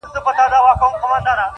• لاعجبه بې انصافه انسانان دي -